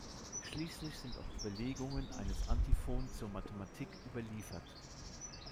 Schließlich sind auch Überlegungen eines Antiphon zur Mathematik überliefert.